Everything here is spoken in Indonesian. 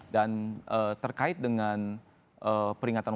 dan terkait dengan peringatan waisak